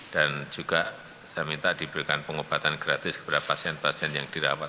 dan juga saya minta diberikan pengobatan gratis kepada pasien pasien yang dirawat